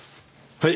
はい。